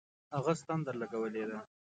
هغه ستن درلگولې ده.